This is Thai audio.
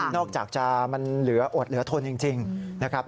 อกจากจะมันเหลืออดเหลือทนจริงนะครับ